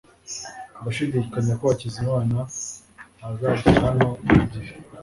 ndashidikanya ko hakizimana azagera hano ku gihe